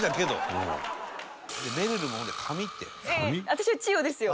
私は千代ですよ。